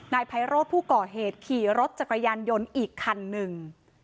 ไพโรธผู้ก่อเหตุขี่รถจักรยานยนต์อีกคันหนึ่ง